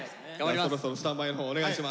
そろそろスタンバイのほうお願いします。